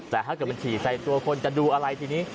แต่ถ้าเกิดมันฉี่ใส่ตัวคนจะดูอะไรทีนี้